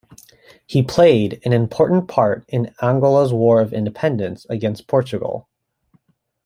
He played an important part in Angola's war of independence against Portugal.